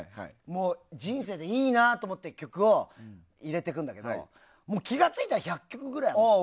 人生でいいなと思ってる曲を入れてくんだけど気が付いたら１００曲くらいある。